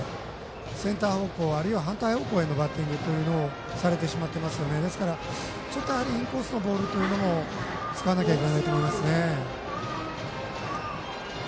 センター方向、あるいは反対方向へのバッティングというのをされてしまっていますのでですから、インコースのボールも使わなきゃいけないと思います。